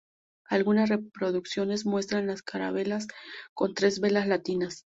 Algunas reproducciones muestran las carabelas con tres velas latinas.